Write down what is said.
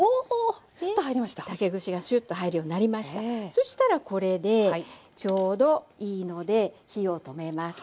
そしたらこれでちょうどいいので火を止めます。